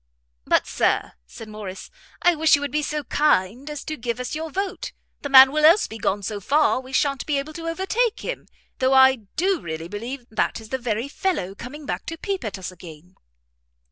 "But, Sir," said Morrice, "I wish you would be so kind as to give us your vote; the man will else be gone so far, we sha'n't be able to overtake him. Though I do really believe that is the very fellow coming back to peep at us again!"